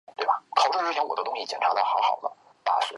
合理安排旅游线路